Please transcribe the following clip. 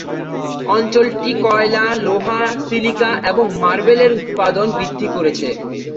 অঞ্চলটি কয়লা, লোহা, সিলিকা এবং মার্বেলের উৎপাদন বৃদ্ধি করেছে।